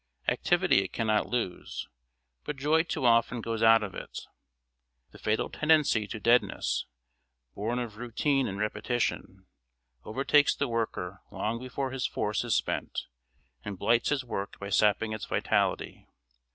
Activity it cannot lose, but joy too often goes out of it. The fatal tendency to deadness, born of routine and repetition, overtakes the worker long before his force is spent, and blights his work by sapping its vitality.